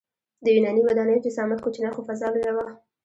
د یوناني ودانیو جسامت کوچنی خو فضا لویه وه.